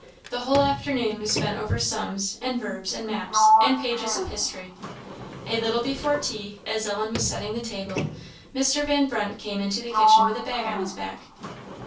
The whole afternoon was spent over sums, and verbs, and maps, and pages of history. A little before tea, as Ellen was setting the table, Mr. Van Brunt came into the kitchen with a bag on his back.